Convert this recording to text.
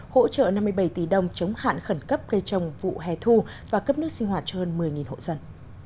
hỗ trợ năm mươi bảy tỷ đồng chống hạn khẩn cấp cây trồng vụ hè thu và cấp nước sinh hoạt cho hơn một mươi hộ dân